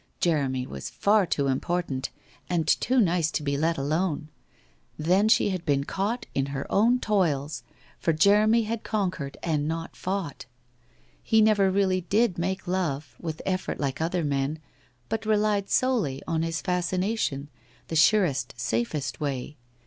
Jeremy was far too important, and too nice to bo let alone. Then she had been caught in her own toils, for Jeremy had conquered, and not fought. He never really did make love, with effort like other men, but relied solely on his fascination, the surest, safest way.